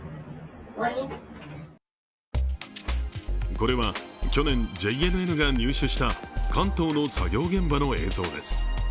これは去年、ＪＮＮが入手した関東の作業現場の映像です。